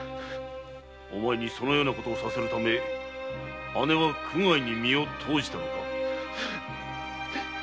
お前にそんなことをさせるため姉は苦界に身を投じたのか？